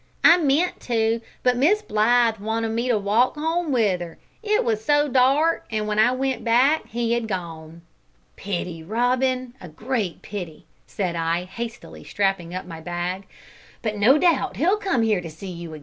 I meant to, but Miss Blythe wanted me to walk 'ome with 'er, it was so dark, an' w'en I went back he had gone." "Pity, Robin a great pity," said I, hastily strapping up my bag, "but no doubt he'll come here again to see you.